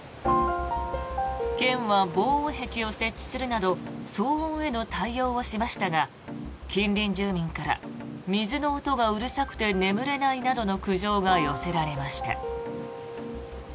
県は防音壁を設置するなど騒音への対応をしましたが近隣住民から水の音がうるさくて眠れないなどの苦情が寄せられました。